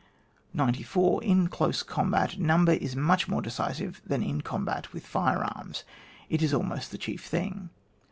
94. In close combat nwnber is much more decisive than in the combat with fire arms, it is almost the chief thing.